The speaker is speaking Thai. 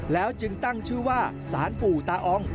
แล้วจึงตั้งชื่อว่าสารปู่ตาออง